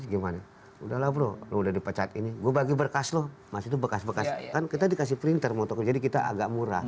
gimana udahlah bro lu udah di pecat ini gue bagi bekas loh mas itu bekas bekas kan kita dikasih printer jadi kita agak murah